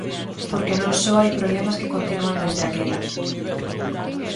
Porque non só hai problemas que continúan desde aquela.